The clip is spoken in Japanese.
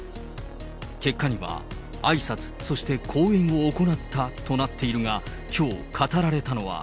結果にはあいさつ、そして講演を行ったとなっているが、きょう語られたのは。